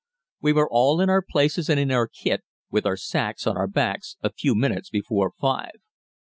We were all in our places and in our kit, with our sacks on our backs, a few minutes before five.